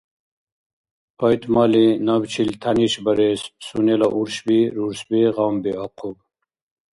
ПайтӀмали набчил тянишбарес сунела уршби-рурсби гъамбиахъуб.